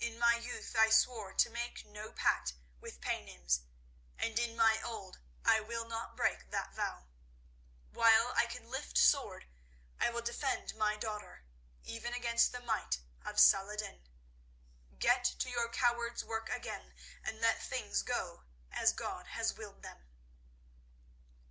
In my youth I swore to make no pact with Paynims, and in my eld I will not break that vow. While I can lift sword I will defend my daughter, even against the might of Saladin. Get to your coward's work again, and let things go as God has willed them."